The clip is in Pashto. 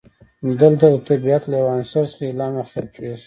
دلته د طبیعت له یو عنصر څخه الهام اخیستل کیږي.